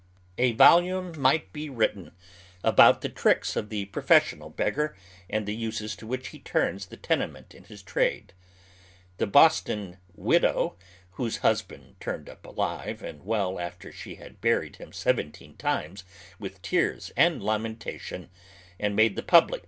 A volume might be written about the tricks of the pro fessional beggar, and the uses to which he turns the tene ment in his trade. The Boston " widow " whose Imsband turned up alive and well after she had buwed him seven teen times with tears and lamentation, and made the pub ^G oog l e 252 III'; OTIlEli JIALF LIVES.